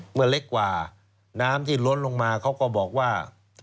เมื่อเล็กกว่าน้ำที่ล้นลงมาเขาก็บอกว่า